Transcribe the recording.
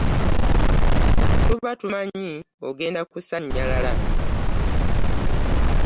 Tuba tumanyi ogenda kusannyalala.